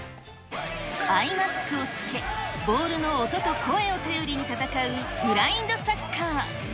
アイマスクを着け、ボールの音と声を頼りに戦うブラインドサッカー。